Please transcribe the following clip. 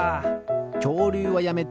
きょうりゅうはやめて。